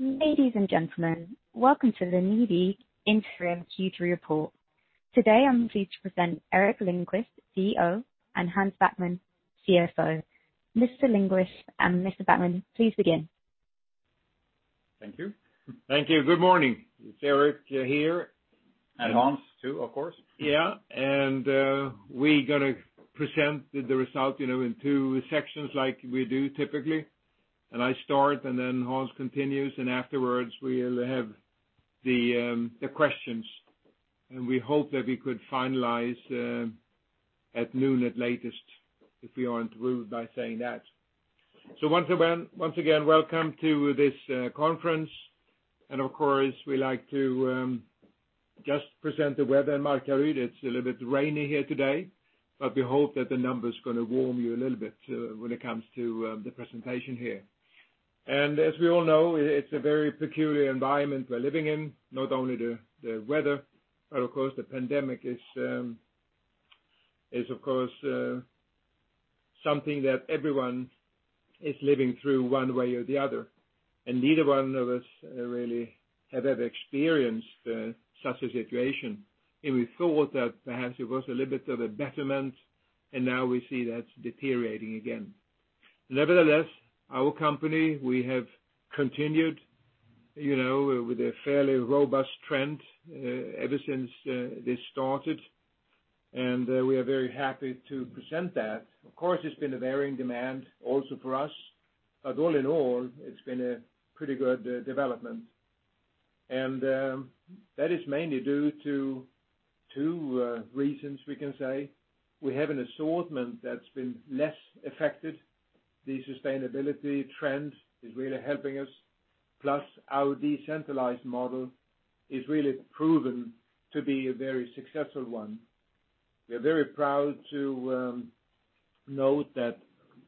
Ladies and gentlemen, welcome to the NIBE Interim Q3 Report. Today, I'm pleased to present Eric Lindquist, CEO, and Hans Backman, CFO. Mr. Lindquist and Mr. Backman, please begin. Thank you. Thank you. Good morning. It's Eric here. Hans too, of course. We're going to present the results in two sections like we do typically. I start, then Hans continues, afterwards we'll have the questions, we hope that we could finalize at noon at latest, if we aren't rude by saying that. Once again, welcome to this conference, of course, we like to just present the weather in Markaryd. It's a little bit rainy here today, we hope that the numbers going to warm you a little bit when it comes to the presentation here. As we all know, it's a very peculiar environment we're living in, not only the weather, of course, the pandemic is something that everyone is living through one way or the other. Neither one of us really have ever experienced such a situation. We thought that perhaps it was a little bit of a betterment, now we see that's deteriorating again. Nevertheless, our company, we have continued with a fairly robust trend ever since this started, and we are very happy to present that. Of course, it's been a varying demand also for us, all in all, it's been a pretty good development. That is mainly due to two reasons we can say. We have an assortment that's been less affected. The sustainability trend is really helping us. Plus, our decentralized model is really proven to be a very successful one. We are very proud to note that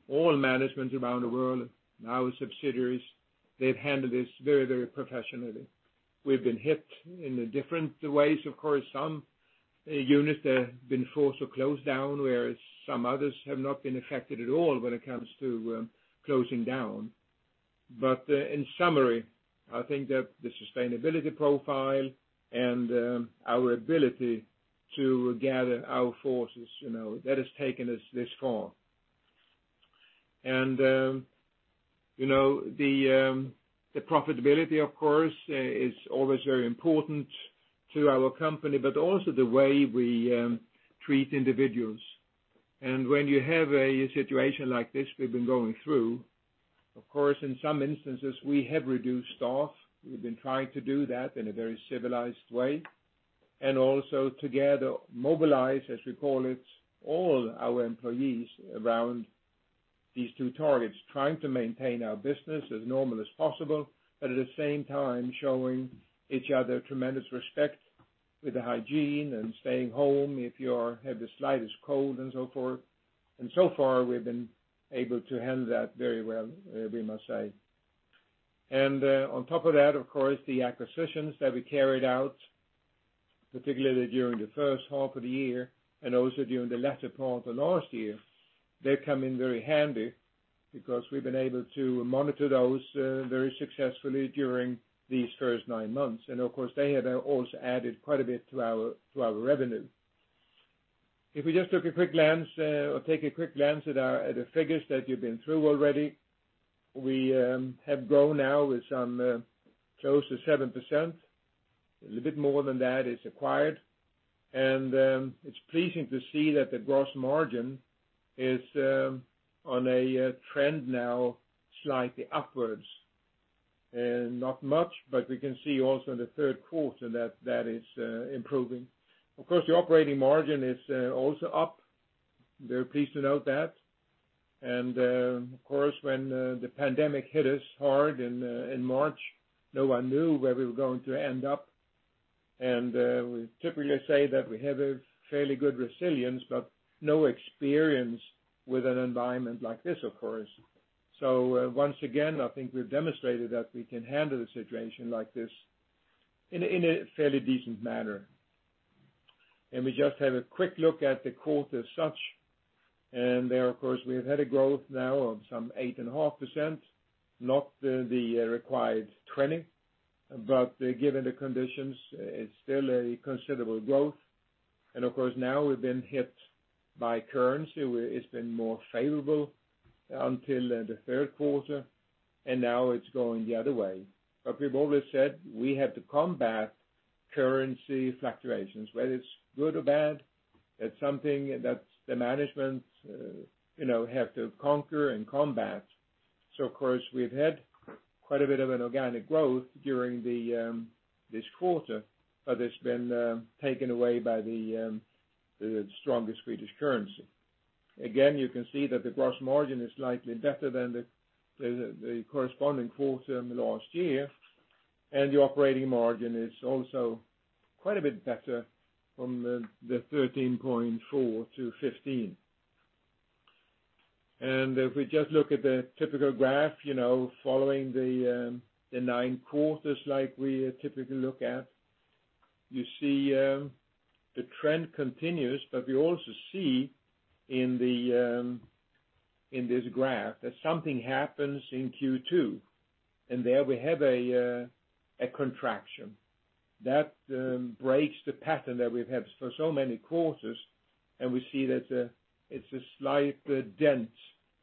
all management around the world and our subsidiaries, they've handled this very professionally. We've been hit in different ways, of course. Some units have been forced to close down, whereas some others have not been affected at all when it comes to closing down. In summary, I think that the sustainability profile and our ability to gather our forces, that has taken us this far. The profitability, of course, is always very important to our company, but also the way we treat individuals. When you have a situation like this we've been going through, of course, in some instances, we have reduced staff. We've been trying to do that in a very civilized way, and also together mobilize, as we call it, all our employees around these two targets, trying to maintain our business as normal as possible, but at the same time, showing each other tremendous respect with the hygiene and staying home if you have the slightest cold and so forth. So far, we've been able to handle that very well, we must say. On top of that, of course, the acquisitions that we carried out, particularly during the first half of the year and also during the latter part of last year, they come in very handy because we've been able to monitor those very successfully during these first nine months. Of course, they have also added quite a bit to our revenue. If we just took a quick glance or take a quick glance at the figures that you've been through already, we have grown now with some close to 7%. A little bit more than that is acquired. It's pleasing to see that the gross margin is on a trend now slightly upwards. Not much, but we can see also in the third quarter that is improving. Of course, the operating margin is also up. Very pleased to note that. Of course, when the pandemic hit us hard in March, no one knew where we were going to end up. We typically say that we have a fairly good resilience, but no experience with an environment like this, of course. Once again, I think we've demonstrated that we can handle a situation like this in a fairly decent manner. We just have a quick look at the quarter as such. There, of course, we've had a growth now of some 8.5%, not the required 20%, but given the conditions, it's still a considerable growth. Of course, now we've been hit by currency where it's been more favorable until the third quarter, and now it's going the other way. We've always said we have to combat currency fluctuations, whether it's good or bad, it's something that the management have to conquer and combat. Of course, we've had quite a bit of an organic growth during this quarter, but it's been taken away by the strongest Swedish currency. Again, you can see that the gross margin is slightly better than the corresponding quarter in the last year, and the operating margin is also quite a bit better from the 13.4%-15%. If we just look at the typical graph, following the nine quarters like we typically look at. You see the trend continues, but we also see in this graph that something happens in Q2, and there we have a contraction. That breaks the pattern that we've had for so many quarters, and we see that it's a slight dent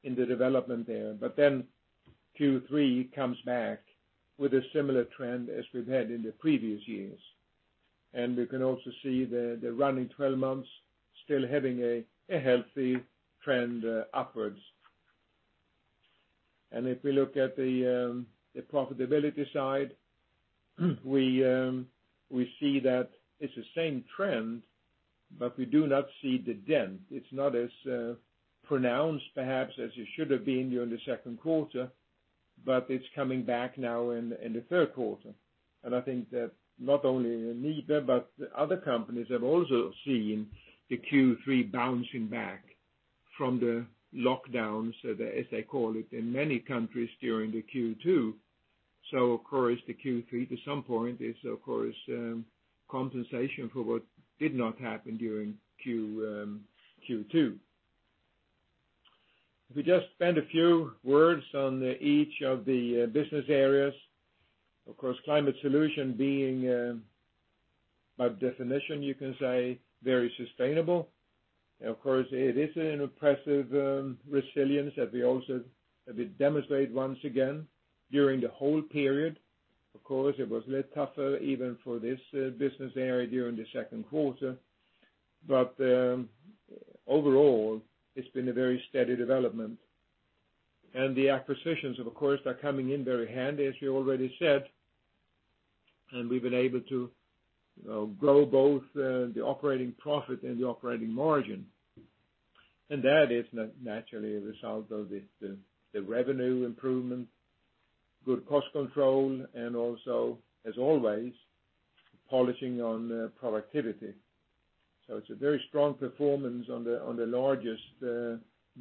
in the development there. Q3 comes back with a similar trend as we've had in the previous years. We can also see the running 12 months still having a healthy trend upwards. If we look at the profitability side, we see that it's the same trend, but we do not see the dent. It's not as pronounced, perhaps as it should have been during the second quarter, but it's coming back now in the third quarter. I think that not only in NIBE, but other companies have also seen the Q3 bouncing back from the lockdowns as they call it, in many countries during the Q2. Of course, the Q3 to some point is compensation for what did not happen during Q2. If we just spend a few words on each of the business areas, of course, Climate Solutions being by definition, you can say, very sustainable. Of course, it is an impressive resilience that we demonstrate once again during the whole period. Of course, it was a little tougher even for this business area during the second quarter. Overall, it's been a very steady development. The acquisitions, of course, are coming in very handy, as we already said. We've been able to grow both the operating profit and the operating margin. That is naturally a result of the revenue improvement, good cost control, and also, as always, polishing on productivity. It's a very strong performance on the largest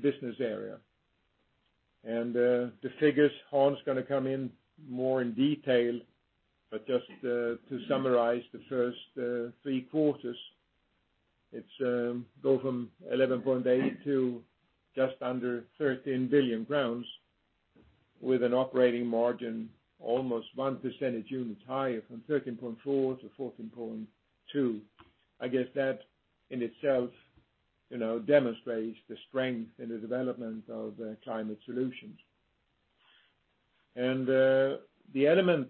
business area. The figures, Hans is going to come in more in detail, but just to summarize the first three quarters, it go from 11.8 billion to just under 13 billion crowns, with an operating margin almost 1 percentage units higher from 13.4% to 14.2%. I guess that in itself demonstrates the strength in the development of Climate Solutions. The Element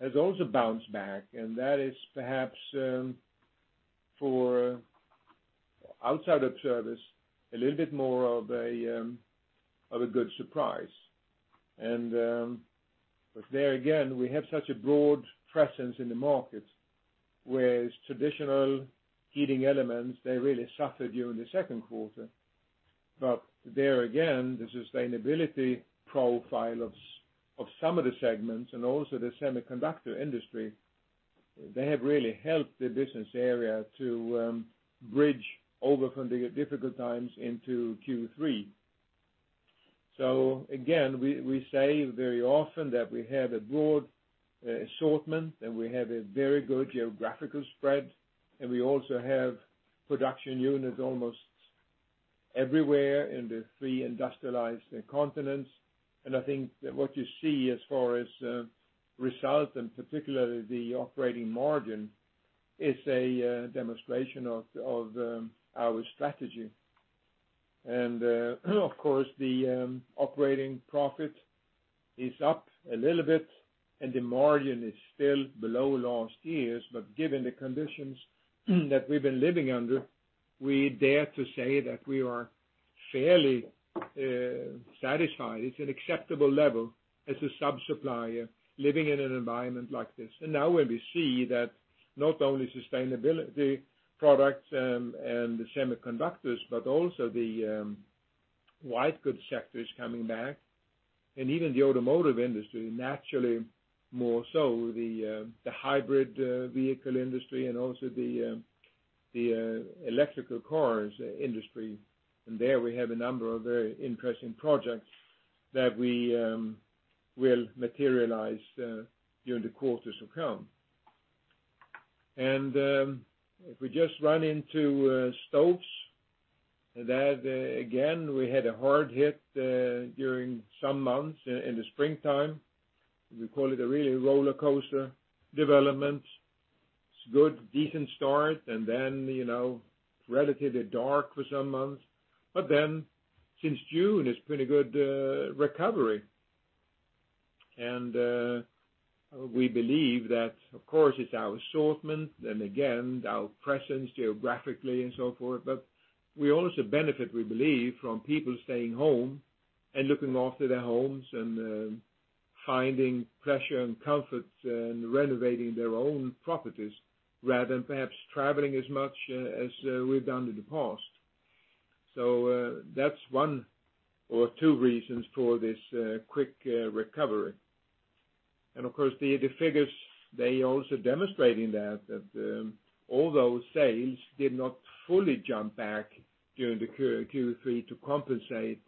has also bounced back, and that is perhaps for outside of service, a little bit more of a good surprise. There again, we have such a broad presence in the market, whereas traditional heating elements, they really suffered during the second quarter. There again, the sustainability profile of some of the segments and also the semiconductor industry, they have really helped the business area to bridge over from the difficult times into Q3. Again, we say very often that we have a broad assortment, and we have a very good geographical spread, and we also have production units almost everywhere in the three industrialized continents. I think that what you see as far as results, and particularly the operating margin, is a demonstration of our strategy. Of course, the operating profit is up a little bit and the margin is still below last year's. Given the conditions that we've been living under, we dare to say that we are fairly satisfied. It's an acceptable level as a sub-supplier living in an environment like this. Now when we see that not only sustainability products and the semiconductors, but also the white goods sector is coming back, and even the automotive industry, naturally more so the hybrid vehicle industry and also the electrical cars industry. There we have a number of very interesting projects that we will materialize during the quarters to come. If we just run into Stoves, that again, we had a hard hit during some months in the springtime. We call it a really rollercoaster development. It's good, decent start, and then relatively dark for some months. Since June, it's pretty good recovery. We believe that, of course, it's our assortment and again, our presence geographically and so forth. We also benefit, we believe, from people staying home and looking after their homes and finding pleasure and comfort and renovating their own properties, rather than perhaps traveling as much as we've done in the past. That's one or two reasons for this quick recovery. Of course, the figures, they also demonstrating that although sales did not fully jump back during the Q3 to compensate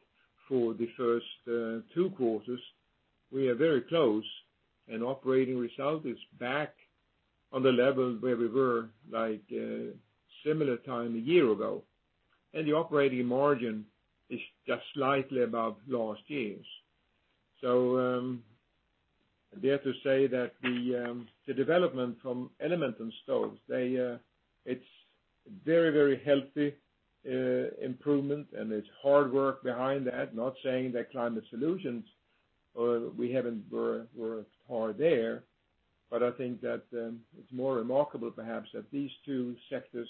for the first two quarters. We are very close, and operating result is back on the level where we were similar time a year ago, and the operating margin is just slightly above last year's. Dare to say that the development from Elements and Stoves, it's very healthy improvement, and it's hard work behind that. Not saying that Climate Solutions we haven't worked hard there, but I think that it's more remarkable perhaps that these two sectors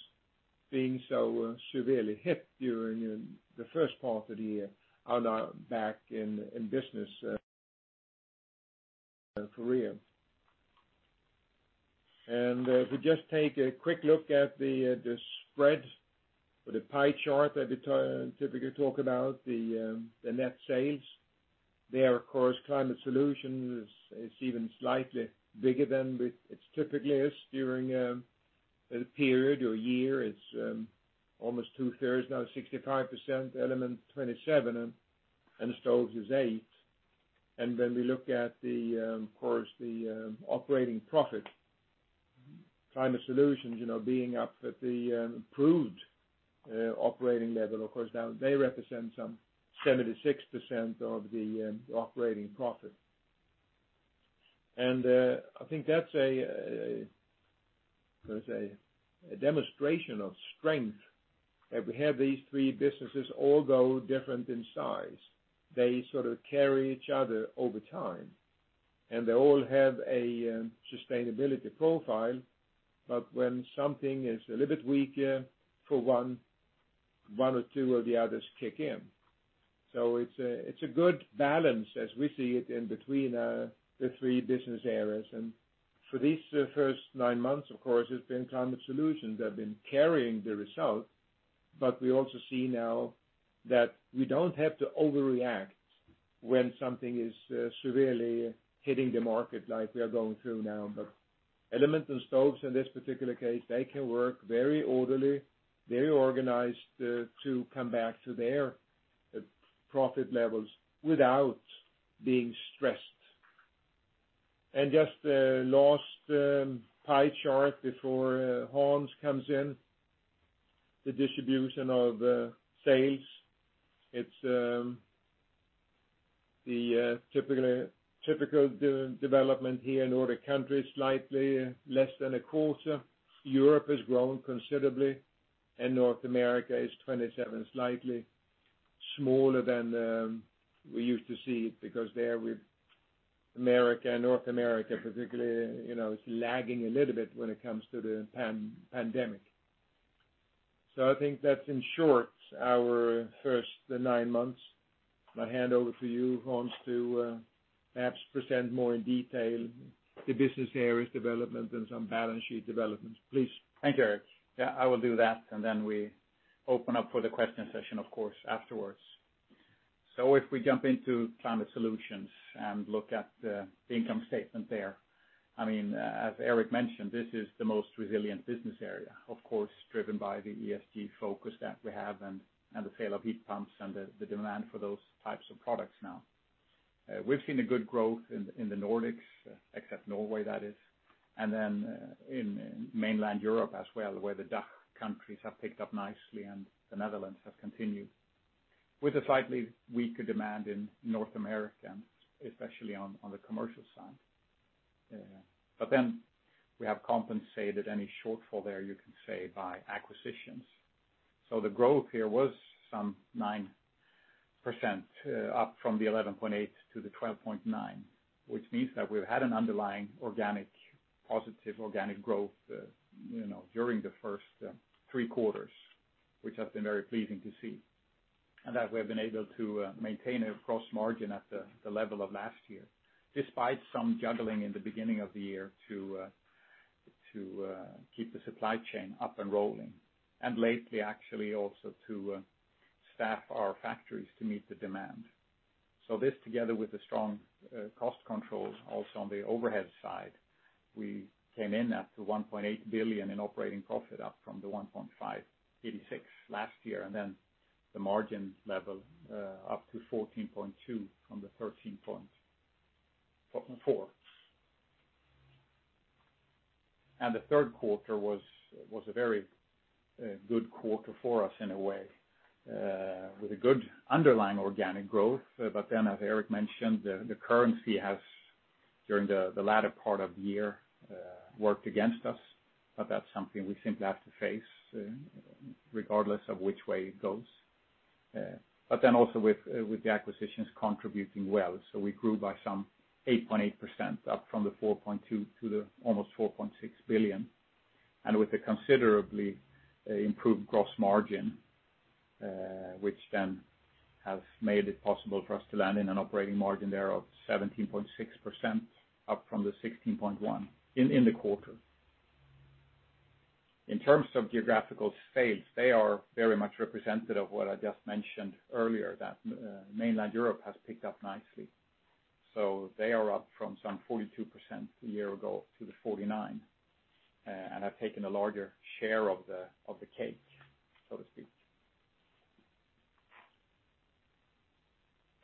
being so severely hit during the first part of the year are now back in business career. If we just take a quick look at the spread or the pie chart that we typically talk about, the net sales. There, of course, Climate Solutions is even slightly bigger than it typically is during the period or year. It's almost 2/3 now, 65%, Element 27%, and Stoves is 8%. When we look at the operating profit, Climate Solutions being up at the improved operating level, of course, now they represent some 76% of the operating profit. I think that's a, let's say, a demonstration of strength that we have these three businesses all go different in size. They sort of carry each other over time, and they all have a sustainability profile. When something is a little bit weaker for one or two of the others kick in. It's a good balance as we see it in between the three business areas. For these first nine months, of course, it's been Climate Solutions that have been carrying the result. We also see now that we don't have to overreact when something is severely hitting the market like we are going through now. Elements and Stoves, in this particular case, they can work very orderly, very organized to come back to their profit levels without being stressed. Just the last pie chart before Hans comes in. The distribution of sales. It's the typical development here in Nordic countries, slightly less than a quarter. Europe has grown considerably, and North America is 27%, slightly smaller than we used to see it, because there with America, North America particularly, is lagging a little bit when it comes to the pandemic. I think that's in short our first nine months. I hand over to you, Hans, to perhaps present more in detail the business areas development and some balance sheet developments, please. Thank you, Eric. I will do that, we open up for the question session, of course, afterwards. If we jump into Climate Solutions and look at the income statement there, as Eric mentioned, this is the most resilient business area, of course, driven by the ESG focus that we have and the sale of heat pumps and the demand for those types of products now. We've seen a good growth in the Nordics, except Norway that is, in mainland Europe as well, where the DACH countries have picked up nicely and the Netherlands have continued. With a slightly weaker demand in North America, especially on the commercial side. We have compensated any shortfall there, you can say, by acquisitions. The growth here was some 9% up from the [11.8 billion to the 12.9 billion], which means that we've had an underlying positive organic growth during the first three quarters, which has been very pleasing to see. That we've been able to maintain a gross margin at the level of last year, despite some juggling in the beginning of the year to keep the supply chain up and rolling. Lately, actually, also to staff our factories to meet the demand. This, together with the strong cost controls also on the overhead side, we came in at 1.8 billion in operating profit up from 1.586 billion last year, the margin level up to 14.2% from the 13.4%. The third quarter was a very good quarter for us in a way, with a good underlying organic growth. As Eric mentioned, the currency has, during the latter part of the year, worked against us. That's something we simply have to face regardless of which way it goes. With the acquisitions contributing well. We grew by some 8.8% up from 4.2 to the almost 4.6 billion. With a considerably improved gross margin, which then has made it possible for us to land in an operating margin there of 17.6% up from the 16.1% in the quarter. In terms of geographical sales, they are very much representative of what I just mentioned earlier, that mainland Europe has picked up nicely. They are up from some 42% a year ago to the 49%, and have taken a larger share of the cake, so to speak.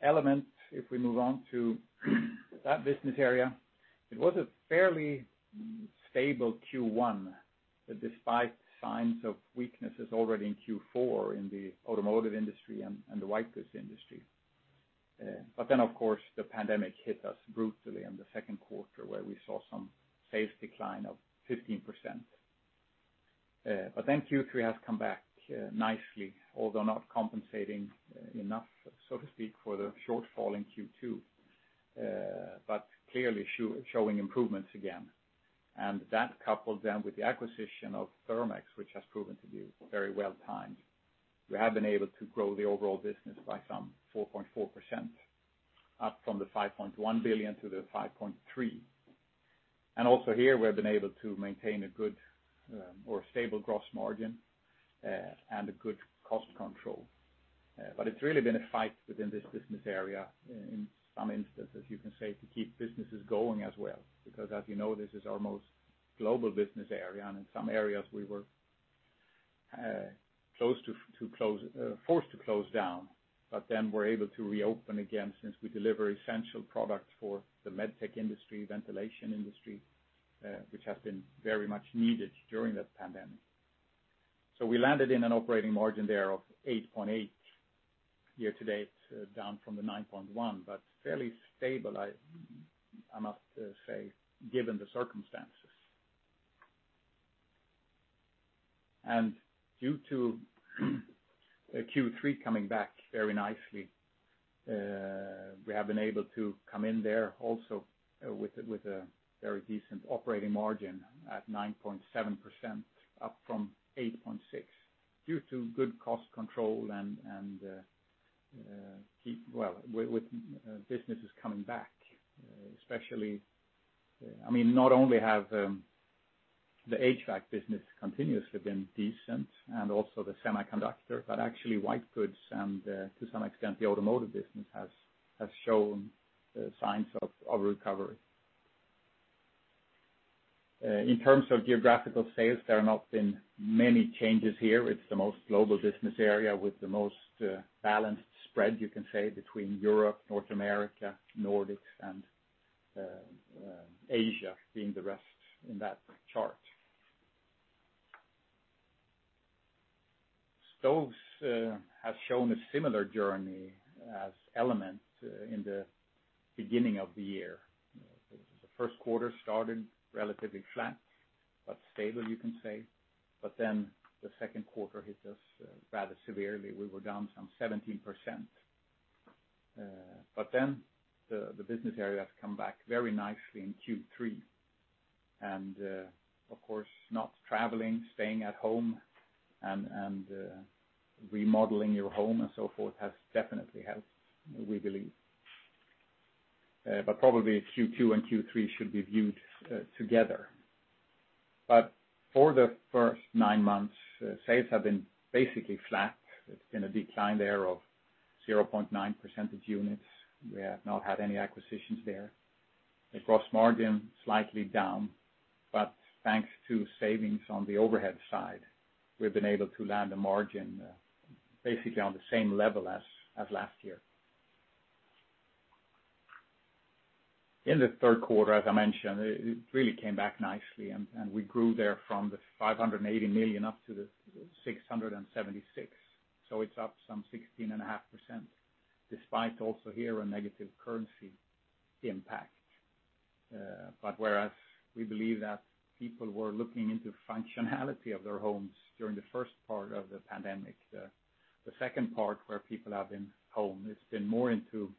Element, if we move on to that business area, it was a fairly stable Q1, despite signs of weaknesses already in Q4 in the automotive industry and the white goods industry. Of course, the pandemic hit us brutally in the second quarter, where we saw some sales decline of 15%. Q3 has come back nicely, although not compensating enough, so to speak, for the shortfall in Q2. Clearly showing improvements again. That coupled then with the acquisition of Therm-x, which has proven to be very well-timed. We have been able to grow the overall business by some 4.4%, up from the 5.1 billion to the 5.3 billion. Also here, we've been able to maintain a good or stable gross margin and a good cost control. It's really been a fight within this business area in some instances, you can say, to keep businesses going as well. As you know, this is our most global business area, and in some areas, we were forced to close down, but then were able to reopen again since we deliver essential products for the medtech industry, ventilation industry, which has been very much needed during the pandemic. We landed in an operating margin there of 8.8% year-to-date, down from the 9.1%, but fairly stable, I must say, given the circumstances. Due to Q3 coming back very nicely, we have been able to come in there also with a very decent operating margin at 9.7%, up from 8.6%, due to good cost control and with businesses coming back. Not only have the HVAC business continuously been decent, and also the semiconductor, but actually white goods and, to some extent, the automotive business has shown signs of recovery. In terms of geographical sales, there have not been many changes here. It's the most global business area with the most balanced spread, you can say, between Europe, North America, Nordics, and Asia being the rest in that chart. Stoves has shown a similar journey as Element in the beginning of the year. The first quarter started relatively flat, but stable, you can say. Then the second quarter hit us rather severely. We were down some 17%. The business area has come back very nicely in Q3. Of course, not traveling, staying at home and remodeling your home and so forth has definitely helped, we believe. Probably Q2 and Q3 should be viewed together. For the first nine months, sales have been basically flat. It's been a decline there of 0.9 percentage points. We have not had any acquisitions there. The gross margin, slightly down, but thanks to savings on the overhead side, we've been able to land a margin basically on the same level as last year. In the third quarter, as I mentioned, it really came back nicely, and we grew there from the 580 million up to the 676 million. It's up some 16.5%, despite also here a negative currency impact. Whereas we believe that people were looking into functionality of their homes during the first part of the pandemic, the second part where people have been home, it's been more into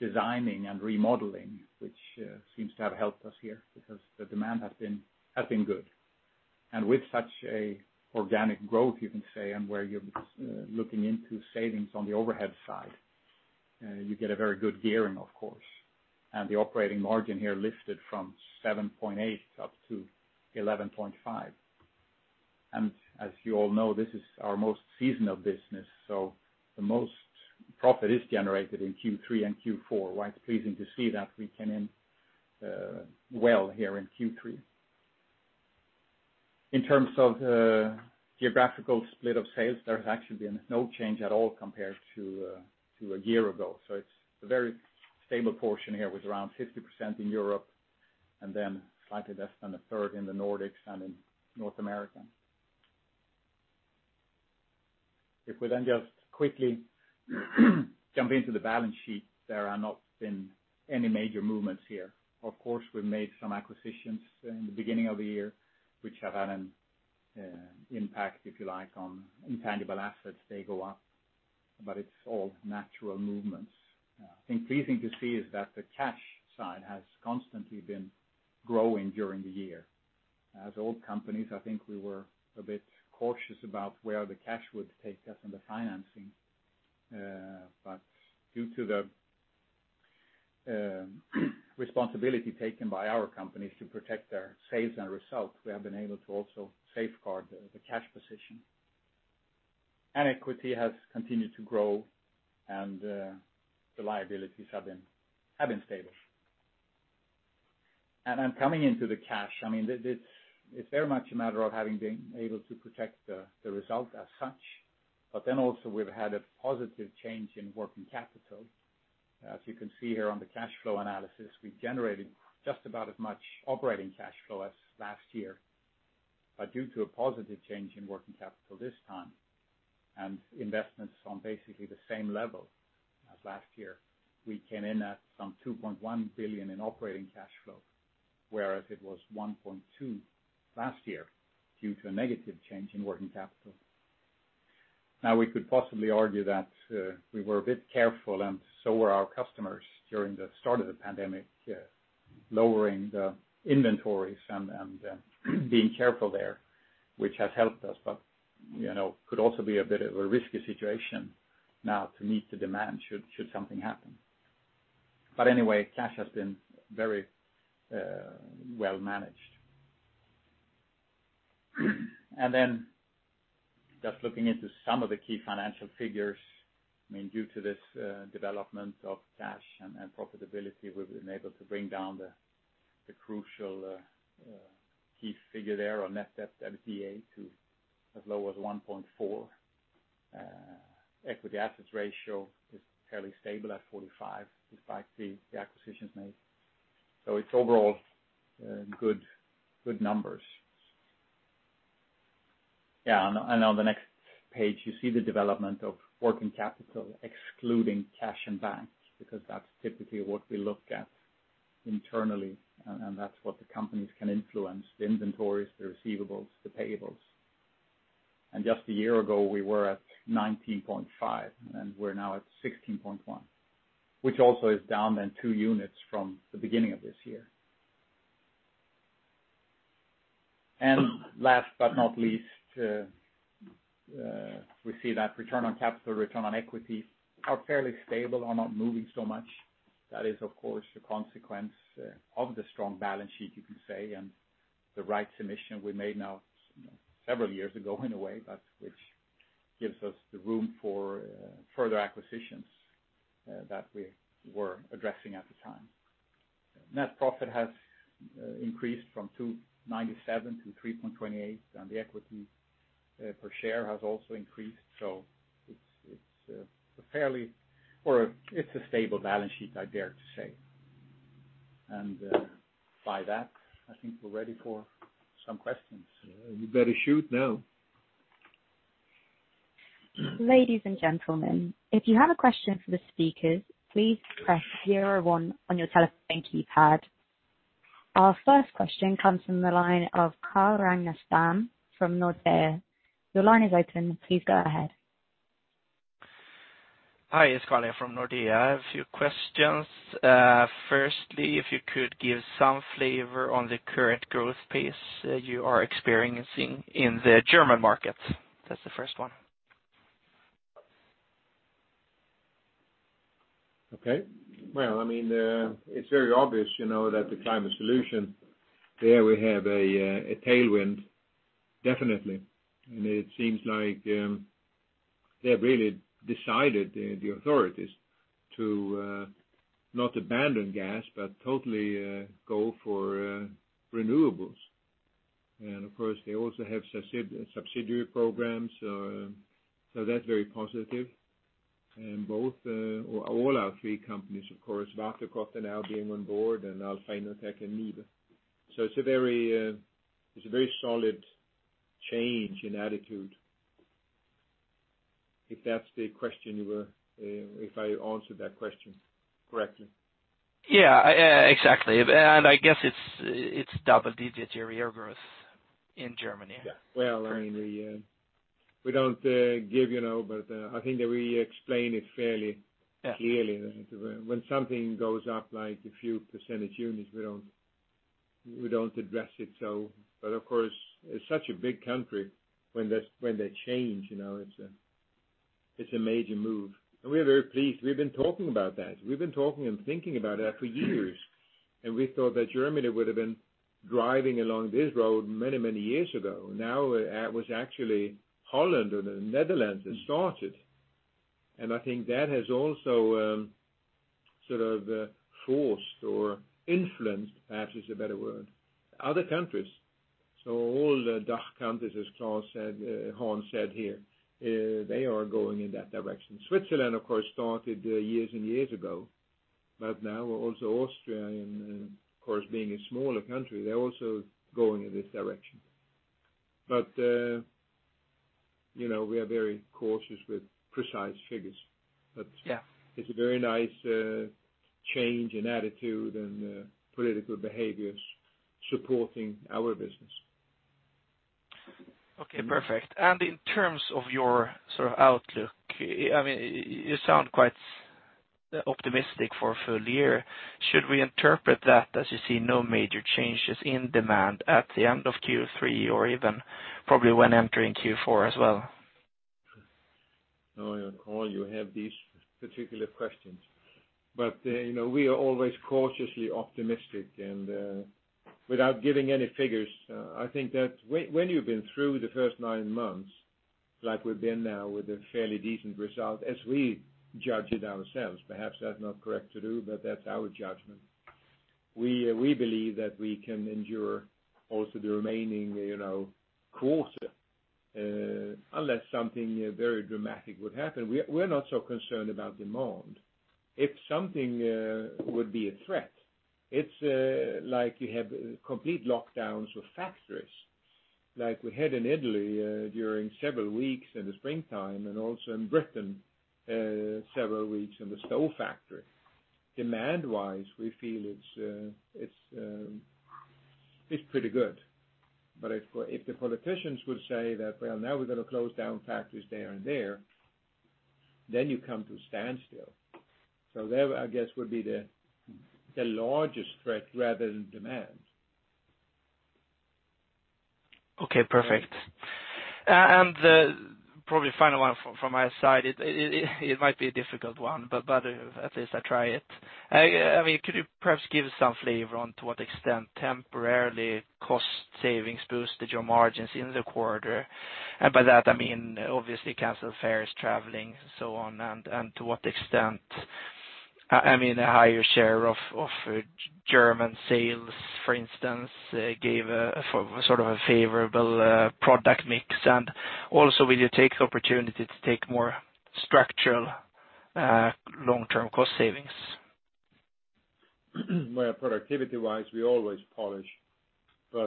designing and remodeling, which seems to have helped us here because the demand has been good. With such a organic growth, you can say, and where you're looking into savings on the overhead side, you get a very good gearing, of course. The operating margin here lifted from 7.8% up to 11.5%. As you all know, this is our most seasonal business, so the most profit is generated in Q3 and Q4. Quite pleasing to see that we came in well here in Q3. In terms of geographical split of sales, there has actually been no change at all compared to a year ago. It's a very stable portion here with around 50% in Europe, and then slightly less than 1/3 in the Nordics and in North America. If we then just quickly jump into the balance sheet, there have not been any major movements here. Of course, we've made some acquisitions in the beginning of the year, which have had an impact, if you like, on intangible assets. They go up, but it's all natural movements. I think pleasing to see is that the cash side has constantly been growing during the year. As old companies, I think we were a bit cautious about where the cash would take us and the financing. Due to the responsibility taken by our companies to protect their sales and results, we have been able to also safeguard the cash position. Equity has continued to grow, and the liabilities have been stable. I'm coming into the cash. It's very much a matter of having been able to protect the result as such. We've had a positive change in working capital. As you can see here on the cash flow analysis, we've generated just about as much operating cash flow as last year. Due to a positive change in working capital this time, and investments on basically the same level as last year, we came in at some 2.1 billion in operating cash flow, whereas it was 1.2 billion last year, due to a negative change in working capital. We could possibly argue that we were a bit careful and so were our customers during the start of the pandemic, lowering the inventories and being careful there, which has helped us. Could also be a bit of a risky situation now to meet the demand should something happen. Cash has been very well managed. Just looking into some of the key financial figures, due to this development of cash and profitability, we've been able to bring down the crucial key figure there on net debt to EBITDA to as low as 1.4x. Equity assets ratio is fairly stable at 45%, despite the acquisitions made. It's overall good numbers. On the next page, you see the development of working capital excluding cash in bank, because that's typically what we look at internally and that's what the companies can influence, the inventories, the receivables, the payables. Just a year ago, we were at 19.5%, and we're now at 16.1%, which also is down in two units from the beginning of this year. Last but not least, we see that return on capital, return on equity are fairly stable, are not moving so much. That is, of course, a consequence of the strong balance sheet, you can say, and the right emission we made now several years ago, in a way, but which gives us the room for further acquisitions that we were addressing at the time. Net profit has increased from 2.97 to 3.28, and the equity per share has also increased. It's a stable balance sheet, I dare to say. By that, I think we're ready for some questions. You better shoot now. Ladies and gentlemen, if you have a question for the speakers, please press zero one on your telephone keypad. Our first question comes from the line of Carl Ragnerstam from Nordea. Your line is open. Please go ahead. Hi, it's Carl from Nordea. A few questions. Firstly, if you could give some flavor on the current growth pace that you are experiencing in the German market. That's the first one. It's very obvious that the Climate Solution, there we have a tailwind, definitely. It seems like they've really decided, the authorities, to not abandon gas, but totally go for renewables. Of course, they also have subsidiary programs, so that's very positive. All our three companies, of course, WATERKOTTE are now being on board alpha innotec and NIBE. It's a very solid change in attitude. If I answered that question correctly. Yeah, exactly. I guess it's double-digit year-over-year growth in Germany. Yeah. Well, we don't give, but I think that we explain it fairly clearly. When something goes up like a few percentage units, we don't address it. Of course, it's such a big country when they change, it's a major move. We're very pleased. We've been talking about that. We've been talking and thinking about it for years, and we thought that Germany would've been driving along this road many, many years ago. Now it was actually Holland or the Netherlands that started, and I think that has also sort of forced or influenced, perhaps is a better word, other countries. All the DACH countries, as Hans said here, they are going in that direction. Switzerland, of course, started years and years ago. Now also Austria. Of course, being a smaller country, they're also going in this direction. We are very cautious with precise figures. Yeah. It's a very nice change in attitude and political behaviors supporting our business. Okay, perfect. In terms of your outlook, you sound quite optimistic for a full year. Should we interpret that as you see no major changes in demand at the end of Q3 or even probably when entering Q4 as well? Carl, you have these particular questions. We are always cautiously optimistic, and without giving any figures, I think that when you've been through the first nine months like we've been now with a fairly decent result as we judge it ourselves. Perhaps that's not correct to do, but that's our judgment. We believe that we can endure also the remaining quarter, unless something very dramatic would happen. We're not so concerned about demand. If something would be a threat, it's like you have complete lockdowns of factories like we had in Italy during several weeks in the springtime and also in Britain, several weeks in the stove factory. Demand-wise, we feel it's pretty good. If the politicians would say that, Well, now we're going to close down factories there and there, then you come to a standstill. That, I guess, would be the largest threat rather than demand. Okay, perfect. Probably final one from my side. It might be a difficult one, but at least I try it. Could you perhaps give some flavor on to what extent temporarily cost savings boosted your margins in the quarter? By that, I mean, obviously canceled fairs, traveling, so on, and to what extent, I mean, a higher share of German sales, for instance, gave a sort of a favorable product mix. Also, will you take the opportunity to take more structural long-term cost savings? Well, productivity-wise, we always polish. I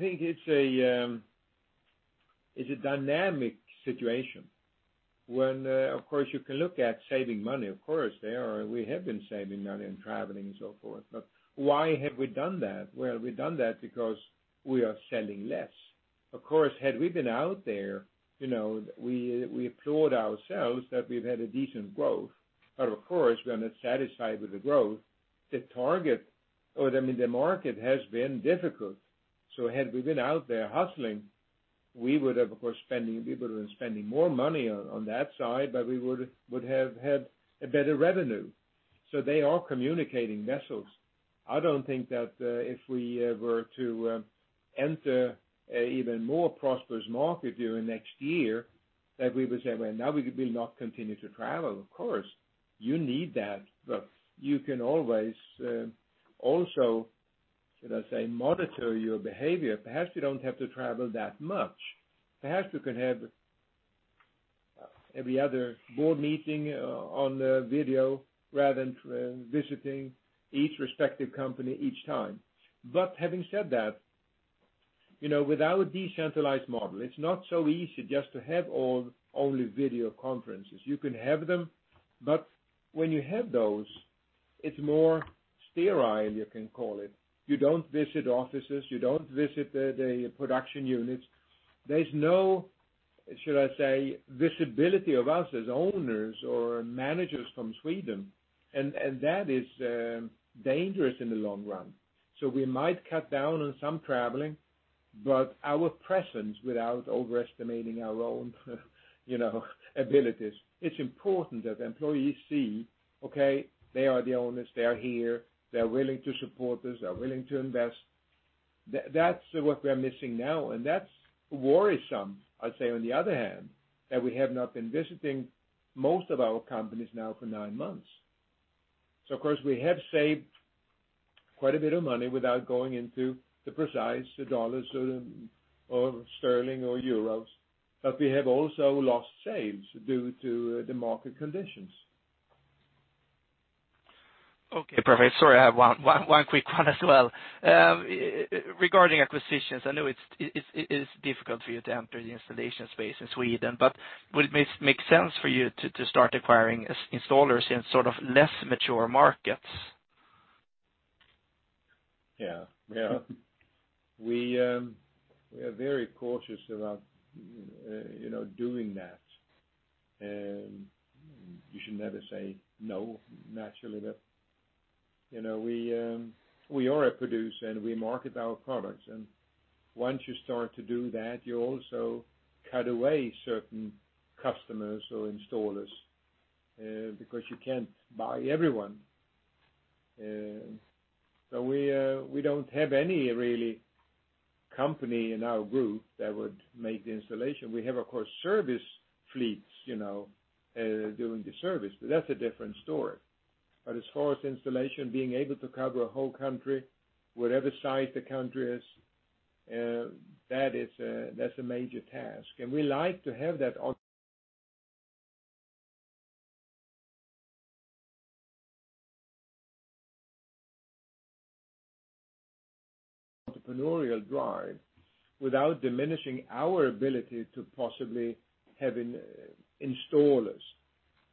think it's a dynamic situation. Of course, you can look at saving money, of course there are. We have been saving money in traveling and so forth. Why have we done that? Well, we've done that because we are selling less. Of course, had we been out there, we applaud ourselves that we've had a decent growth. Of course, we're not satisfied with the growth. The target or, I mean, the market has been difficult. Had we been out there hustling, we would have, of course, we would've been spending more money on that side, but we would have had a better revenue. They are communicating vessels. I don't think that if we were to enter an even more prosperous market during next year that we would say, "Well, now we will not continue to travel." Of course, you need that. You can always also, should I say, monitor your behavior. Perhaps you don't have to travel that much. Perhaps you can have every other board meeting on video rather than visiting each respective company each time. Having said that, with our decentralized model, it's not so easy just to have all only video conferences. You can have them, but when you have those, it's more sterile, you can call it. You don't visit offices. You don't visit the production units. There's no, should I say, visibility of us as owners or managers from Sweden, and that is dangerous in the long run. We might cut down on some traveling, but our presence, without overestimating our own abilities, it's important that employees see, okay, they are the owners. They are here. They're willing to support us. They're willing to invest. That's what we are missing now, and that's worrisome, I'd say, on the other hand, that we have not been visiting most of our companies now for nine months. Of course, we have saved quite a bit of money without going into the precise dollars or sterling or euros, but we have also lost sales due to the market conditions. Okay, perfect. Sorry, I have one quick one as well. Regarding acquisitions, I know it's difficult for you to enter the installation space in Sweden, but would it make sense for you to start acquiring installers in sort of less mature markets? Yeah. We are very cautious about doing that. You should never say no, naturally. We are a producer, and we market our products. Once you start to do that, you also cut away certain customers or installers, because you can't buy everyone. We don't have any really company in our Group that would make the installation. We have, of course, service fleets doing the service, but that's a different story. As far as installation, being able to cover a whole country, whatever size the country is, that's a major task. We like to have that entrepreneurial drive without diminishing our ability to possibly have installers.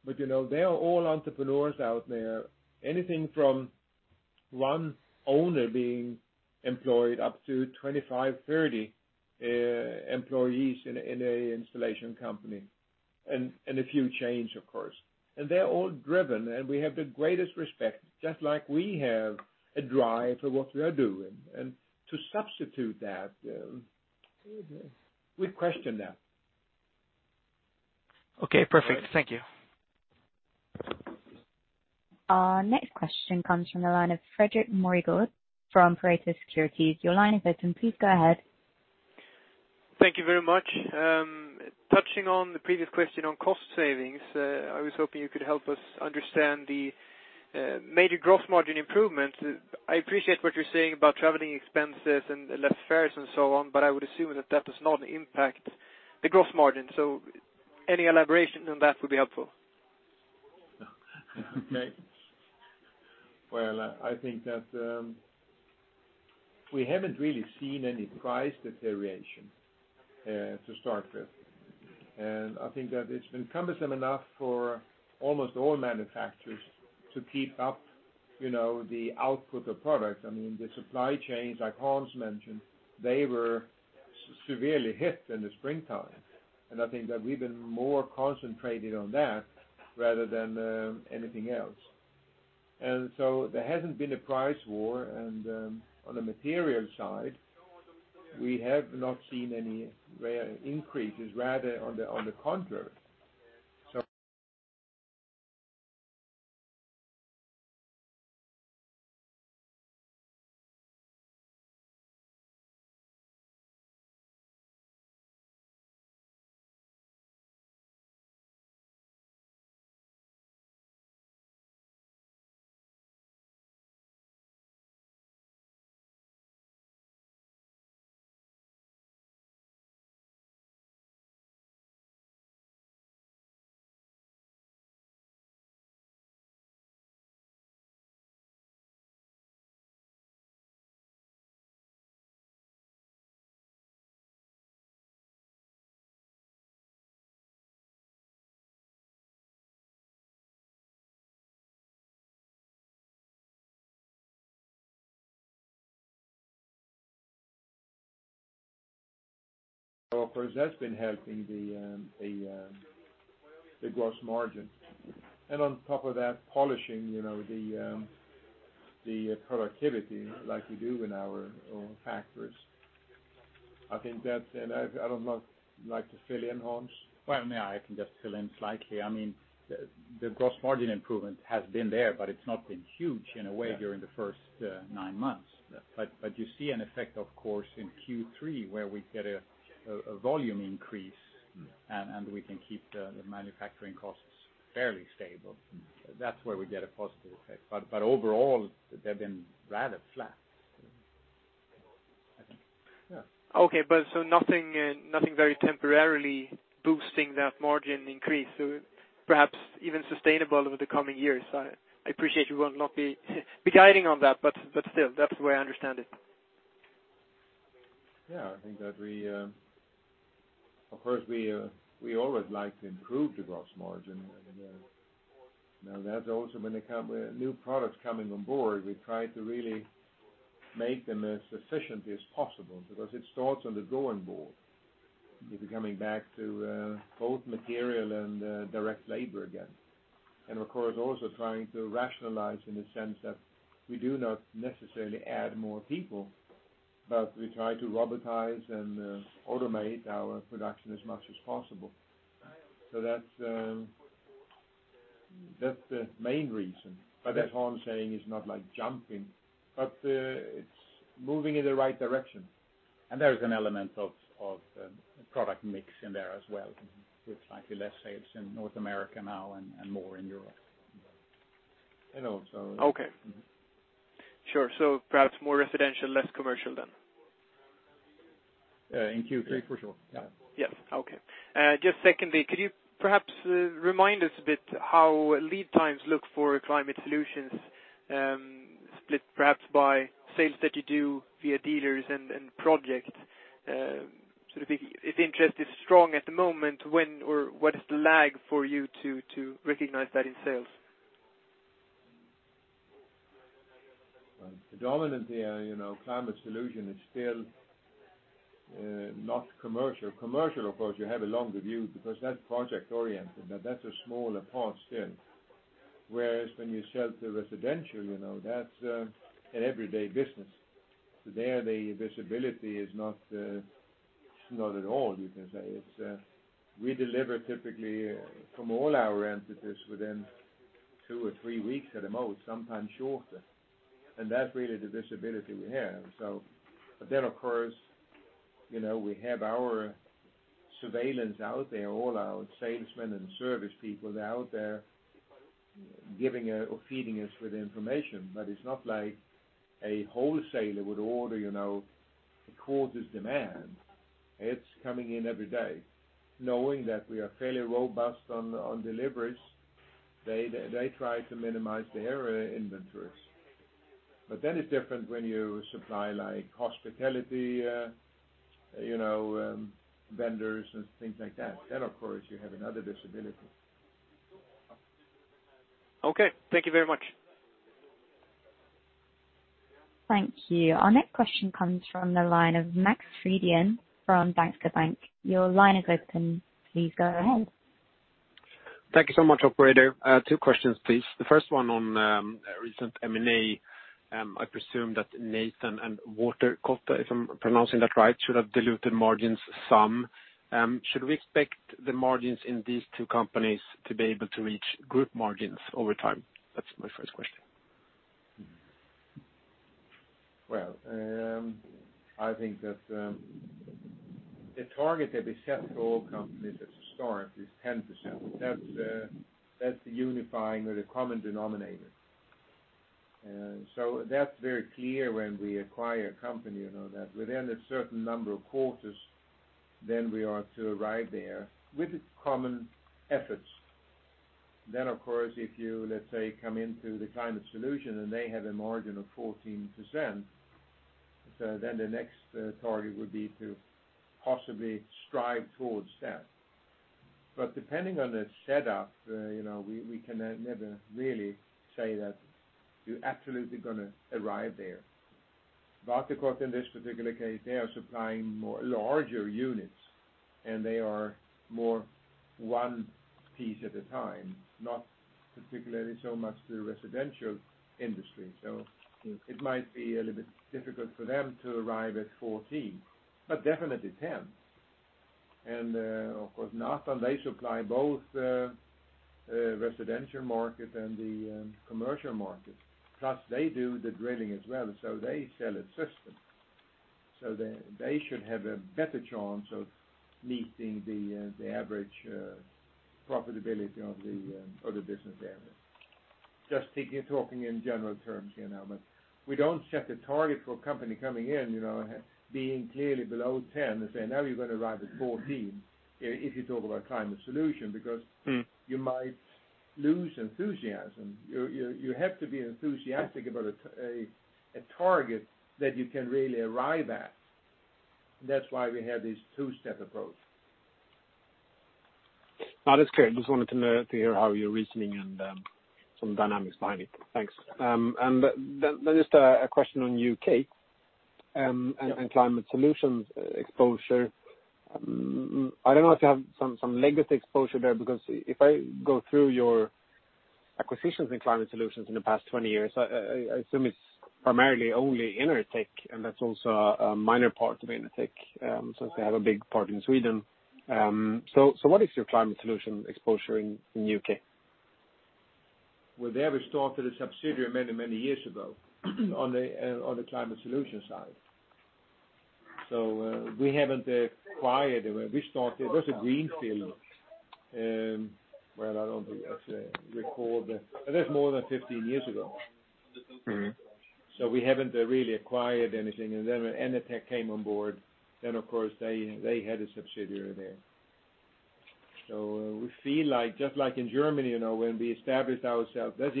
They are all entrepreneurs out there. Anything from one owner being employed up to 25, 30 employees in an installation company. A few change, of course. They're all driven, and we have the greatest respect, just like we have a drive for what we are doing. To substitute that, we question that. Okay, perfect. Thank you. Our next question comes from the line of Fredrik Moregård from Pareto Securities. Your line is open. Please go ahead. Thank you very much. Touching on the previous question on cost savings, I was hoping you could help us understand the major gross margin improvements. I appreciate what you're saying about traveling expenses and less fares and so on, but I would assume that that does not impact the gross margin. Any elaboration on that would be helpful. Okay. Well, I think that we haven't really seen any price deterioration to start with. I think that it's been cumbersome enough for almost all manufacturers to keep up the output of products. The supply chains, like Hans mentioned, they were severely hit in the springtime, I think that we've been more concentrated on that rather than anything else. There hasn't been a price war, on the material side, we have not seen any rate increases. Rather, on the contrary. Of course, that's been helping the gross margin. On top of that, polishing the productivity like we do in our own factories. I think that's it. Would you like to fill in, Hans? Well, I can just fill in slightly. The gross margin improvement has been there, but it's not been huge in a way during the first nine months. You see an effect, of course, in Q3, where we get a volume increase, and we can keep the manufacturing costs fairly stable. That's where we get a positive effect. Overall, they've been rather flat, I think. Yeah. Okay. Nothing very temporarily boosting that margin increase. Perhaps even sustainable over the coming years. I appreciate you will not be guiding on that, but still, that's the way I understand it. I think that of course, we always like to improve the gross margin. That's also when new products coming on board, we try to really make them as efficiently as possible because it starts on the drawing board. If you're coming back to both material and direct labor again. Of course, also trying to rationalize in the sense that we do not necessarily add more people, but we try to robotize and automate our production as much as possible. That's the main reason. As Hans is saying, it's not like jumping, but it's moving in the right direction. There is an element of product mix in there as well, with slightly less sales in North America now and more in Europe. And also- Okay. Sure. Perhaps more residential, less commercial then? In Q3, for sure. Yeah. Yes. Okay. Secondly, could you perhaps remind us a bit how lead times look for Climate Solutions, split perhaps by sales that you do via dealers and projects? Sort of if interest is strong at the moment, what is the lag for you to recognize that in sales? The dominant there, Climate Solution is still not commercial. Commercial, of course, you have a longer view because that's project-oriented, but that's a smaller part still. When you sell to residential, that's an everyday business. There, the visibility is not at all, you can say. We deliver typically from all our entities within two or three weeks at the most, sometimes shorter. That's really the visibility we have. Of course, we have our surveillance out there, all our salesmen and service people, they're out there giving or feeding us with information. It's not like a wholesaler would order according to demand. It's coming in every day. Knowing that we are fairly robust on deliveries, they try to minimize their inventories. That is different when you supply like hospitality vendors and things like that. Of course, you have another visibility. Okay. Thank you very much. Thank you. Our next question comes from the line of Max Frydén from Danske Bank. Your line is open. Please go ahead. Thank you so much, operator. Two questions, please. The first one on recent M&A, I presume that Nathan and WATERKOTTE, if I'm pronouncing that right, should have diluted margins some. Should we expect the margins in these two companies to be able to reach group margins over time? That's my first question. I think that the target that we set for all companies as a start is 10%. That's the unifying or the common denominator. That's very clear when we acquire a company, that within a certain number of quarters, then we are to arrive there with common efforts. Of course, if you, let's say, come into the Climate Solution and they have a margin of 14%, then the next target would be to possibly strive towards that. Depending on the setup, we can never really say that you're absolutely going to arrive there. WATERKOTTE in this particular case, they are supplying larger units, and they are more one piece at a time, not particularly so much the residential industry. It might be a little bit difficult for them to arrive at 14%, but definitely 10%. Of course, Nathan, they supply both the residential market and the commercial market. Plus, they do the drilling as well, so they sell a system. They should have a better chance of meeting the average profitability of the other business areas. Just talking in general terms here now, we don't set a target for a company coming in, being clearly below 10% and saying, "Now you're going to arrive at 14%," if you talk about Climate Solution, because you might lose enthusiasm. You have to be enthusiastic about a target that you can really arrive at. That's why we have this two-step approach. No, that's clear. Just wanted to hear how you're reasoning and some dynamics behind it. Thanks. Then just a question on U.K. and Climate Solutions' exposure. I don't know if you have some legacy exposure there, because if I go through your acquisitions in Climate Solutions in the past 20 years, I assume it's primarily only innotec, and that's also a minor part of innotec, since they have a big part in Sweden. What is your Climate Solution exposure in U.K.? Well, they have started a subsidiary many, many years ago on the Climate Solution side. We haven't acquired. It was a greenfield. Well, I don't recall. That's more than 15 years ago. We haven't really acquired anything. When innotec came on board, then of course, they had a subsidiary there. We feel like, just like in Germany, when we established ourselves, that's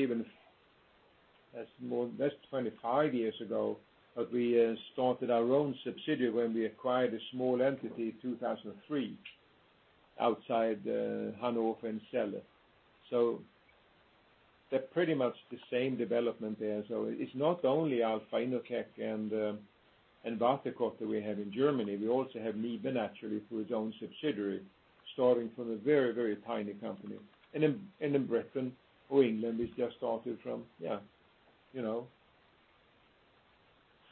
25 years ago, but we started our own subsidiary when we acquired a small entity in 2003, outside Hanover in Celle. They're pretty much the same development there. It's not only alpha innotec and WATERKOTTE we have in Germany, we also have NIBE naturally, through its own subsidiary, starting from a very tiny company. In Britain or England, it just started from, yeah,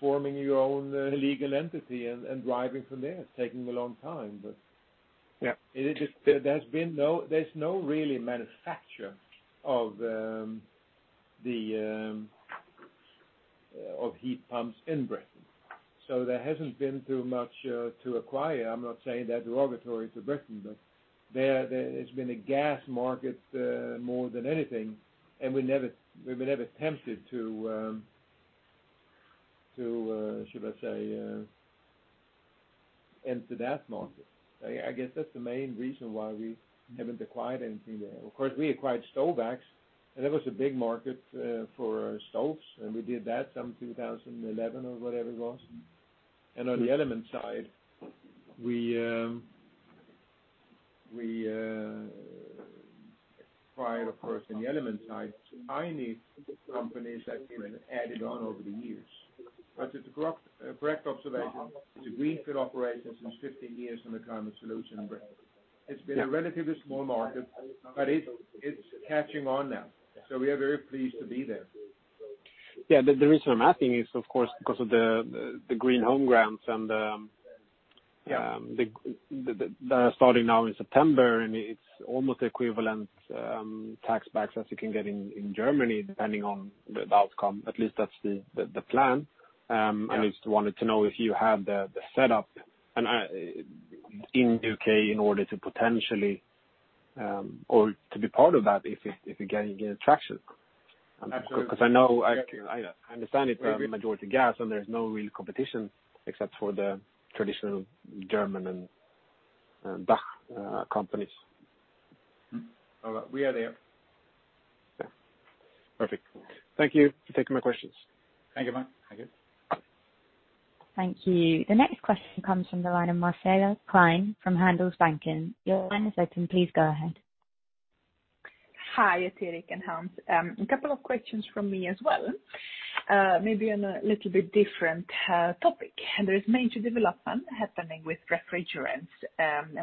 forming your own legal entity and driving from there. Yeah. There's no really manufacturer of heat pumps in the U.K. There hasn't been too much to acquire. I'm not saying that derogatory to the U.K., but there has been a gas market more than anything, and we've been never tempted to, should I say, enter that market. I guess that's the main reason why we haven't acquired anything there. Of course, we acquired Stovax, and that was a big market for Stoves, and we did that some 2011 or whatever it was. On the Element side, we acquired, of course, in the Element side, tiny companies that we've added on over the years. It's a correct observation. It's a greenfield operation since 15 years in the Climate Solution in the U.K. It's been a relatively small market, but it's catching on now. We are very pleased to be there. Yeah. The reason I'm asking is, of course, because of the Green Home Grants starting now in September, it's almost equivalent tax backs as you can get in Germany, depending on the outcome. At least that's the plan. I just wanted to know if you have the setup in U.K. in order to potentially or to be part of that if you're getting any traction? Absolutely. Because I understand it, the majority gas, and there's no real competition except for the traditional German and [Dutch] companies. All right. We are there. Yeah. Perfect. Thank you for taking my questions. Thank you, Max. Thank you. Thank you. The next question comes from the line of Marcela Klang from Handelsbanken. Your line is open. Please go ahead. Hi, Eric and Hans. A couple of questions from me as well, maybe on a little bit different topic. There is major development happening with refrigerants.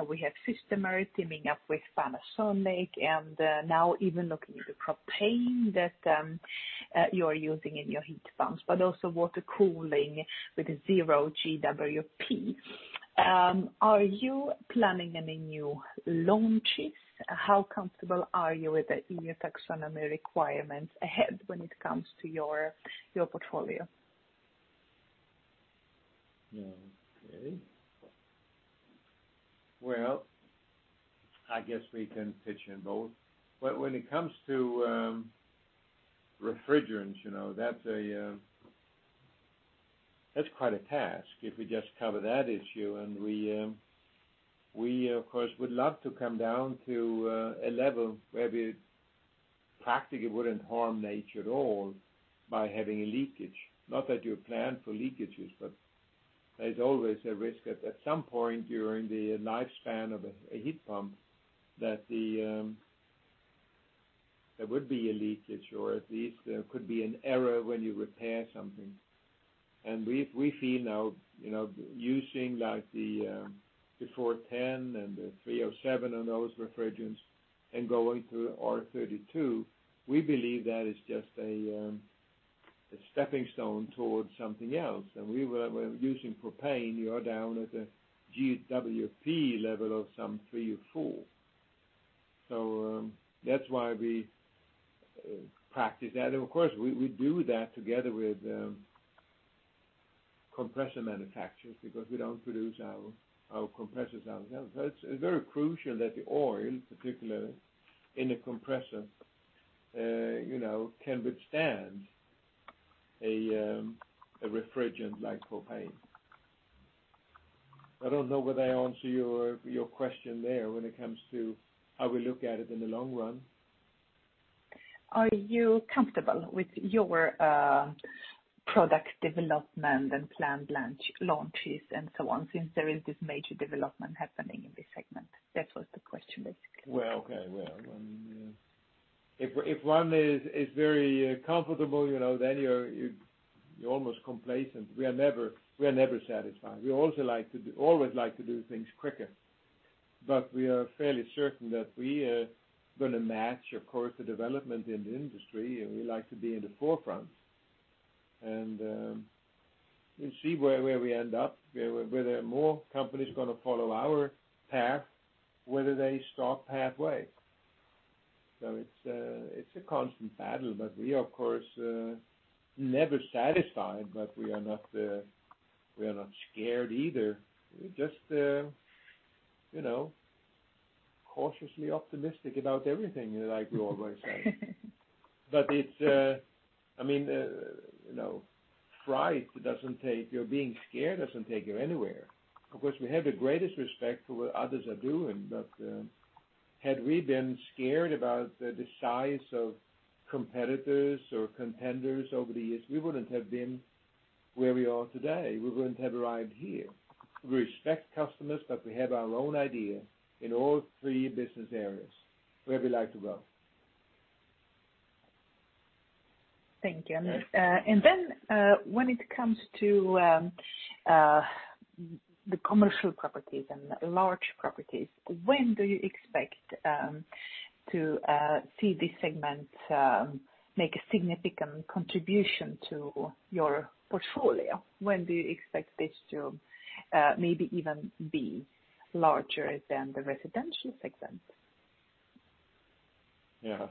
We have Systemair teaming up with Panasonic, and now even looking at the propane that you are using in your heat pumps, but also water cooling with 0 GWP. Are you planning any new launches? How comfortable are you with the EU taxonomy requirements ahead when it comes to your portfolio? Okay. Well, I guess we can pitch in both. When it comes to refrigerants, that's quite a task if we just cover that issue. We, of course, would love to come down to a level where we practically wouldn't harm nature at all by having a leakage. Not that you plan for leakages, but there's always a risk at some point during the lifespan of a heat pump that there would be a leakage, or at least there could be an error when you repair something. We feel now, using the 410 and the 407 on those refrigerants and going to R32, we believe that is just a stepping stone towards something else. We were using propane, you're down at a GWP level of some 3 or 4. That's why we practice that. Of course, we do that together with compressor manufacturers because we don't produce our compressors ourselves. It's very crucial that the oil, particularly in a compressor, can withstand a refrigerant like propane. I don't know whether I answered your question there when it comes to how we look at it in the long run. Are you comfortable with your product development and planned launches and so on, since there is this major development happening in this segment? That was the question, basically. Well, okay. If one is very comfortable, you're almost complacent. We are never satisfied. We always like to do things quicker. We are fairly certain that we are going to match, of course, the development in the industry, and we like to be in the forefront. We'll see where we end up, whether more companies are going to follow our path, whether they stop halfway. It's a constant battle, but we are, of course, never satisfied, but we are not scared either. We're just cautiously, you know, optimistic about everything, like we always say. Being scared doesn't take you anywhere. Of course, we have the greatest respect for what others are doing. Had we been scared about the size of competitors or contenders over the years, we wouldn't have been where we are today. We wouldn't have arrived here. We respect customers, but we have our own idea in all three business areas where we like to go. Thank you. When it comes to the commercial properties and large properties, when do you expect to see this segment make a significant contribution to your portfolio? When do you expect this to maybe even be larger than the Residential segment? Yeah.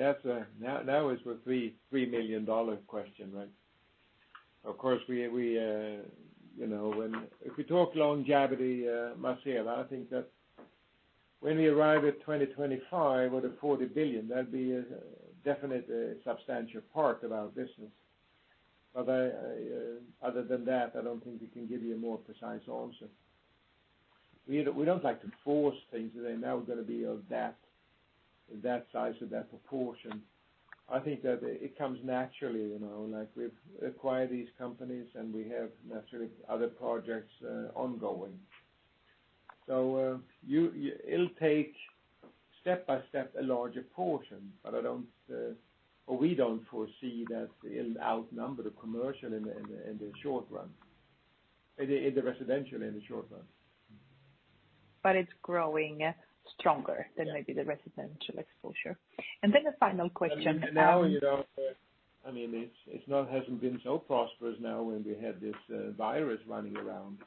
That was the $3 million question, right? Of course, if we talk longevity, Marcela, I think that when we arrive at 2025 with a 40 billion, that'd be a definite substantial part of our business. Other than that, I don't think we can give you a more precise answer. We don't like to force things, saying, "Now we're going to be of that size or that proportion." I think that it comes naturally, like we acquire these companies, and we have naturally other projects ongoing. It'll take step by step a larger portion, but we don't foresee that it'll outnumber the commercial in the short run, the residential in the short run. It's growing stronger than maybe the residential exposure. And then the final question— Now, it hasn't been so prosperous now when we have this virus running around.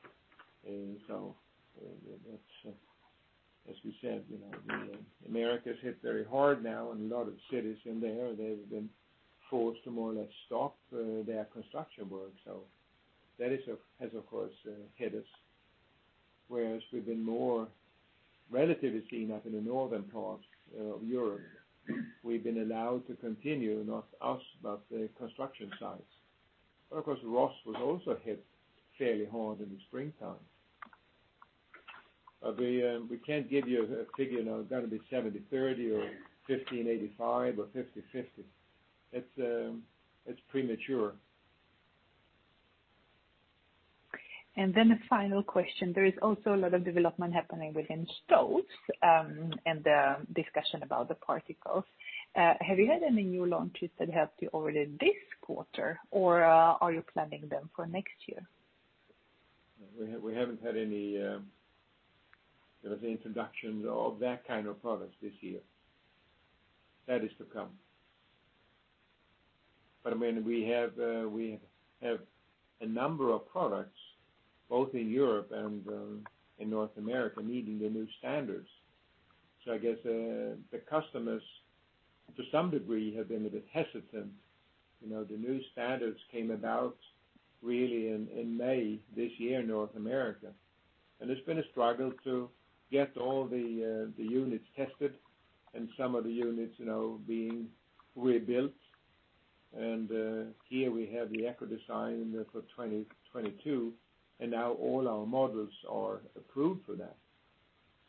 As we said, America's hit very hard now, and a lot of cities in there, they've been forced to more or less stop their construction work. That has, of course, hit us. Whereas we've been more relatively clean up in the northern parts of Europe. We've been allowed to continue, not us, but the construction sites. Of course, Rhoss was also hit fairly hard in the springtime. We can't give you a figure now that'll be 70/30 or 50/85 or 50/50. It's premature. And then a final question. There is also a lot of development happening within Stoves, and the discussion about the particles. Have you had any new launches that helped you already this quarter, or are you planning them for next year? We haven't had any of the introductions of that kind of products this year. That is to come. We have a number of products, both in Europe and in North America, meeting the new standards. I guess the customers, to some degree, have been a bit hesitant. The new standards came about really in May this year in North America. It's been a struggle to get all the units tested and some of the units being rebuilt. Here we have the Ecodesign for 2022. Now all our models are approved for that.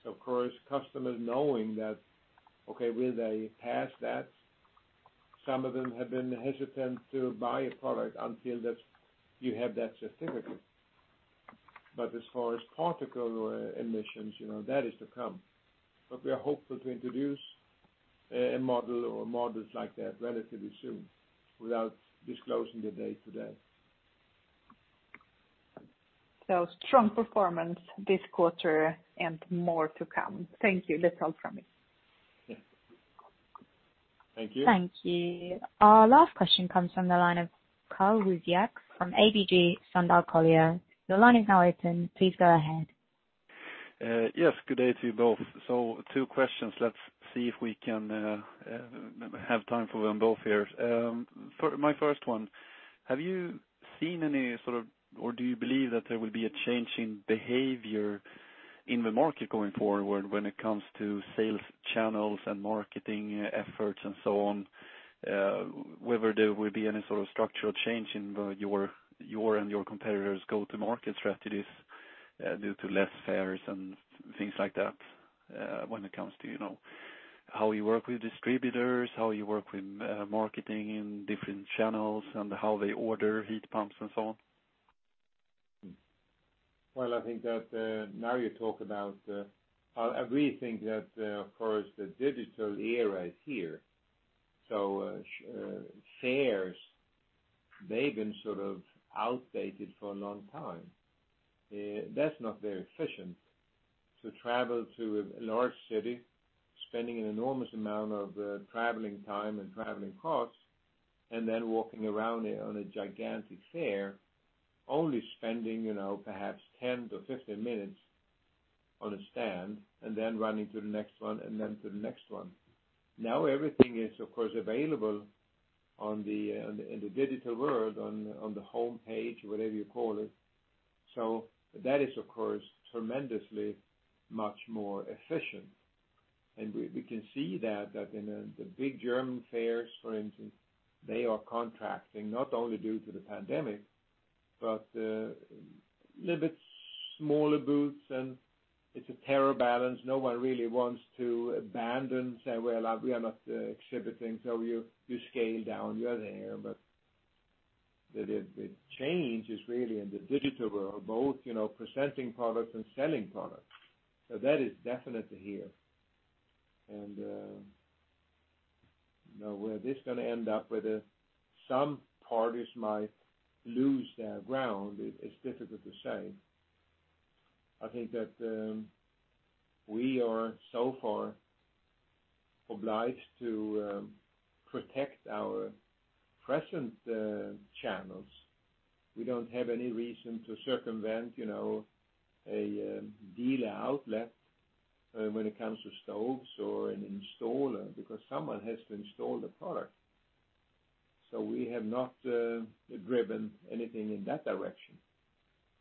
Of course, customers knowing that, okay, will they pass that? Some of them have been hesitant to buy a product until you have that certificate. As far as particle emissions, that is to come. We are hopeful to introduce a model or models like that relatively soon, without disclosing the date today. Strong performance this quarter and more to come. Thank you. That is all from me. Yeah. Thank you. Thank you. Our last question comes from the line of Karl Bokvist from ABG Sundal Collier. Your line is now open. Please go ahead. Yes, good day to you both. Two questions. Let's see if we can have time for them both here. My first one, have you seen any, or do you believe that there will be a change in behavior in the market going forward when it comes to sales channels and marketing efforts and so on, whether there will be any sort of structural change in your and your competitors' go-to-market strategies due to less fairs and things like that, when it comes to how you work with distributors, how you work with marketing in different channels, and how they order heat pumps and so on? Well, I think that now you talk about, I really think that, of course, the digital era is here. Fairs, they've been sort of outdated for a long time. That's not very efficient to travel to a large city, spending an enormous amount of traveling time and traveling costs, and then walking around on a gigantic fair, only spending perhaps 10-15 minutes on a stand, and then running to the next one and then to the next one. Everything is, of course, available in the digital world, on the homepage, whatever you call it. That is, of course, tremendously much more efficient. We can see that in the big German fairs, for instance, they are contracting, not only due to the pandemic, but a little bit smaller booths, and it's a fair balance. No one really wants to abandon, say, "Well, we are not exhibiting," so you scale down. You're there. The change is really in the digital world, both presenting products and selling products. That is definitely here. Where this is going to end up, whether some parties might lose their ground, it's difficult to say. I think that we are so far obliged to protect our present channels. We don't have any reason to circumvent a dealer outlet when it comes to stoves or an installer, because someone has to install the product. We have not driven anything in that direction.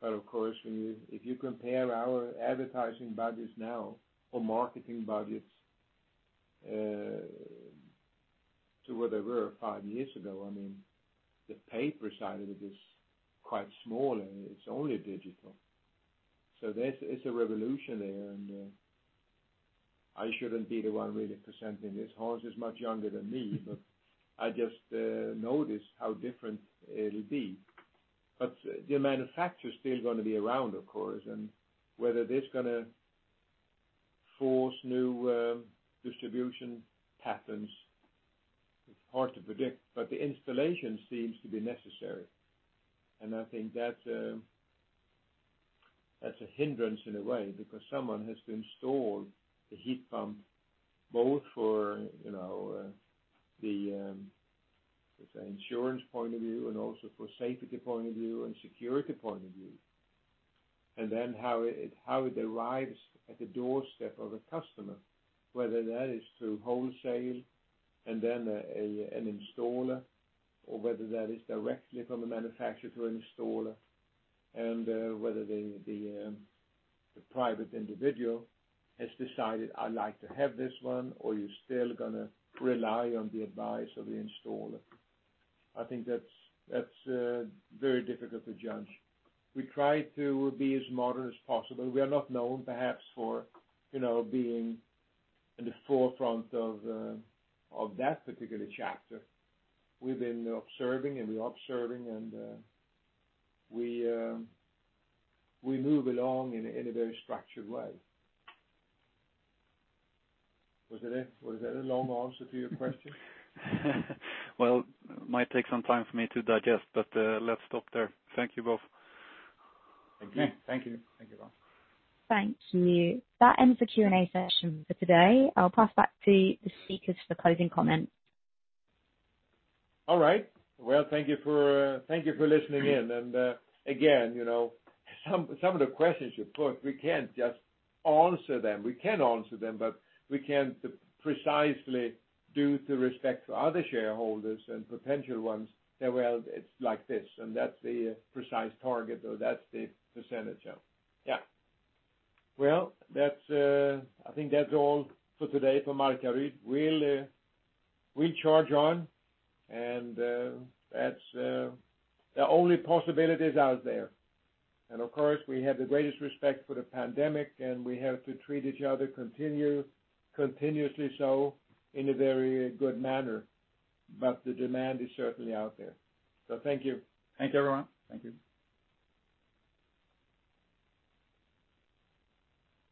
Of course, if you compare our advertising budgets now or marketing budgets to where they were five years ago, the paper side of it is quite small, and it's only digital. It's a revolution there, and I shouldn't be the one really presenting this. Hans is much younger than me, I just notice how different it'll be. The manufacturer is still going to be around, of course. Whether that's going to force new distribution patterns, it's hard to predict. The installation seems to be necessary, and I think that's a hindrance in a way because someone has to install the heat pump, both for the, let's say, insurance point of view and also for safety point of view and security point of view. Then how it arrives at the doorstep of a customer, whether that is through wholesale and then an installer, or whether that is directly from a manufacturer to an installer, and whether the private individual has decided, "I'd like to have this one," or you're still going to rely on the advice of the installer. I think that's very difficult to judge. We try to be as modern as possible. We are not known, perhaps, for being in the forefront of that particular chapter. We've been observing and we are observing, and we move along in a very structured way. Was that a long answer to your question? Might take some time for me to digest, but let's stop there. Thank you both. Thank you. Thank you. That ends the Q&A session for today. I'll pass back to the speakers for closing comments. All right. Well, thank you for listening in. Again, some of the questions you put, we can't just answer them. We can answer them, but we can't precisely, due to respect to other shareholders and potential ones, say, "Well, it's like this, and that's the precise target," or "That's the percentage." Yeah. Well, I think that's all for today from our side. We'll charge on, and that's the only possibilities out there. Of course, we have the greatest respect for the pandemic, and we have to treat each other continuously so in a very good manner. The demand is certainly out there. Thank you. Thank you, everyone. Thank you.